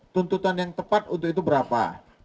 tuntutan yang tepat untuk itu berapa